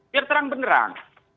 biar terang beneran